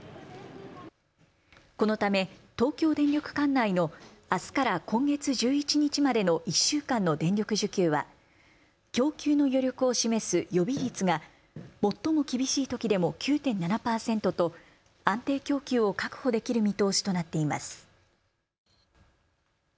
このため東京電力管内のあすから今月１１日までの１週間の電力需給は供給の余力を示す予備率が最も厳しいときでも９．７％と安定供給を確保できる見通しとなっています。